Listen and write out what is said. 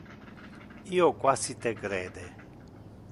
Io quasi te crede.